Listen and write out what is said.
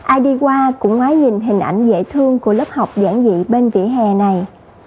ai đi qua cũng ngói nhìn hình ảnh dễ thương của lớp học giảng dị bên vỉa hè này